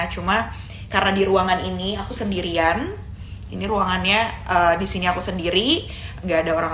cuma karena di ruangan ini aku sendirian ini ruangannya disini aku sendiri enggak ada orang